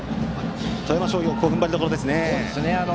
富山商業は踏ん張りどころですね。